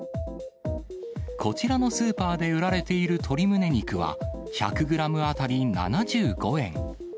こちらのスーパーで売られている鶏むね肉は、１００グラム当たり７５円。